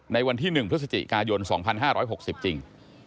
ในวันที่๑พฤศจิกายน๒๕๖๐จริง